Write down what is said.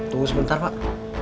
tunggu sebentar pak